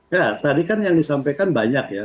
ya tadi kan yang disampaikan banyak ya